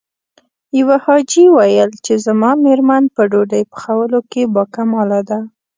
يوه حاجي ويل چې زما مېرمن په ډوډۍ پخولو کې باکماله ده.